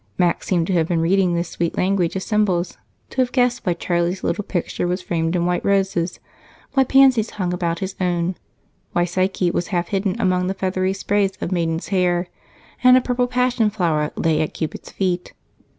Mac seemed to have been reading this sweet language of symbols, to have guessed why Charlie's little picture was framed in white roses, why pansies hung about his own, why Psyche was half hidden among feathery sprays of maidenhair, and a purple passion flower lay at Cupid's feet.